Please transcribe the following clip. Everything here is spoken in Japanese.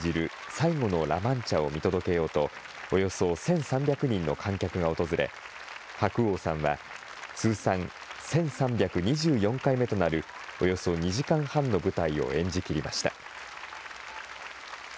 最後のラ・マンチャを見届けようと、およそ１３００人の観客が訪れ、白鸚さんは通算１３２４回目となるおよそ２時間半の舞台を演じきりました。